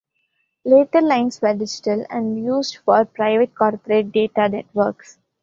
Later lines were digital, and used for private corporate data networks.